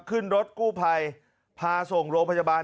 ขึ้นรถกู้ภัยพาส่งโรงพยาบาล